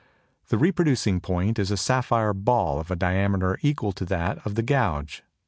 The reproducing point is a sapphire ball of a diameter equal to that of the gouge.